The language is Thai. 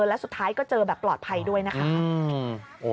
แล้วสุดท้ายก็เจอแบบปลอดภัยด้วยนะคะ